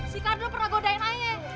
si kardul pernah godain ayah